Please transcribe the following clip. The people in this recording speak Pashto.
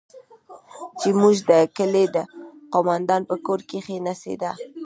چې زموږ د کلي د قومندان په کور کښې نڅېده.